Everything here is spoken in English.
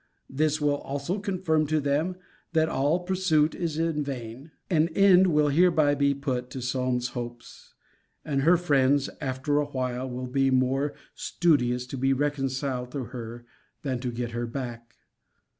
This will also confirm to them that all pursuit is in vain. An end will hereby be put to Solmes's hopes: and her friends, after a while, will be more studious to be reconciled to her than to get her back.